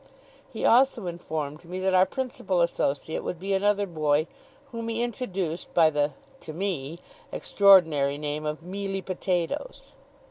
He also informed me that our principal associate would be another boy whom he introduced by the to me extraordinary name of Mealy Potatoes.